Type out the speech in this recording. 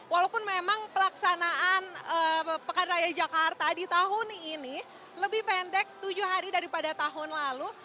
walaupun memang pelaksanaan pekan raya jakarta di tahun ini lebih pendek tujuh hari daripada tahun lalu